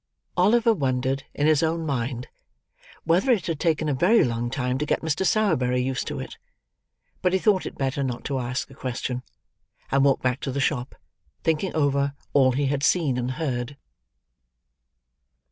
Oliver wondered, in his own mind, whether it had taken a very long time to get Mr. Sowerberry used to it. But he thought it better not to ask the question; and walked back to the shop: thinking over all he had seen and heard.